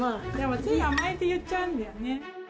つい甘えていっちゃうんだよね。